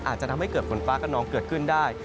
อาจจะทำให้เกิดฝนฟ้ากระนองเกิดขึ้นได้